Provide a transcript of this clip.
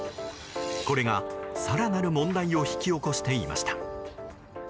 これが更なる問題を引き起こしていました。